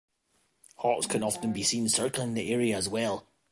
Hawks can often be seen circling the area as well.